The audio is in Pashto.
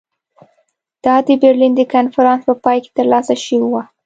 دا د برلین د کنفرانس په پای کې ترلاسه شوې وه.